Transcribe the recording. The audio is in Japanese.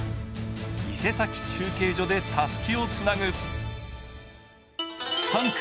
伊勢崎中継所でエースにたすきをつなぐ。